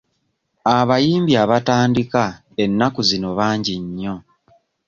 Abayimbi abatandika ennaku zino bangi nnyo.